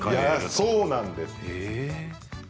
そうなんです。